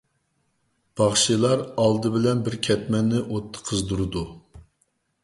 باخشىلار ئالدى بىلەن بىر كەتمەننى ئوتتا قىزدۇرىدۇ.